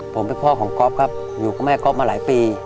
ผมเป็นพ่อของก๊อฟครับอยู่กับแม่ก๊อฟมาหลายปี